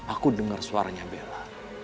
aku dengar suaranya bella